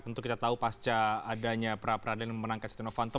tentu kita tahu pasca adanya peradilan yang memenangkan siti novanto